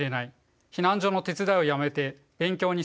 避難所の手伝いをやめて勉強に専念する？」。